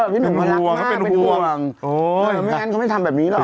พี่หนุ่มเขารักมากเออเป็นห่วงโอ้ยน่ะอย่างนั้นเขาไม่ได้ทำแบบนี้หรอก